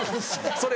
それ